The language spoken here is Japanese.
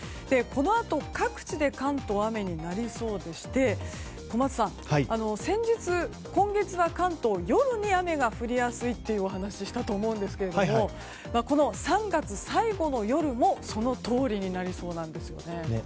このあと、各地で関東は雨になりそうでして小松さん、先日、今月は関東、夜に雨が降りやすいというお話をしたと思うんですけれども３月最後の夜もそのとおりになりそうなんです。